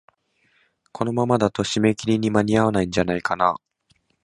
このままだと、締め切りに間に合わないんじゃないかなあ。